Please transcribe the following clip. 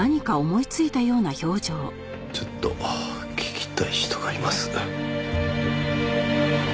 ちょっと聞きたい人がいます。